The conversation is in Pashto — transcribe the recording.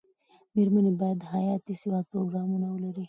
مېرمنې باید د حياتي سواد پروګرامونه ولري.